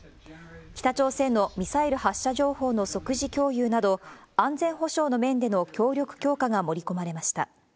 北朝鮮のミサイル発射情報の即時共有など、安全保障の面での協力強化が盛り込まれました。